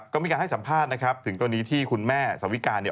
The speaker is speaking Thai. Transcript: ก็มีการให้สัมภาษณ์นะครับถึงกรณีที่คุณแม่สวิการเนี่ย